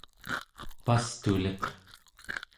pastuliq